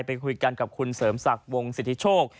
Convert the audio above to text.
ไปคุยกันกับคุณเสริมศักดิ์วงสิทธิโชค